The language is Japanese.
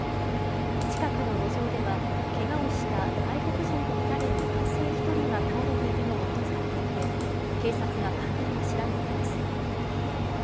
近くの路上では、けがをした外国人と見られる男性１人が倒れているのも見つかっていて警察が関連を調べています。